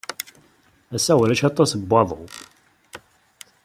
Ass-a, ulac aṭas n waḍu.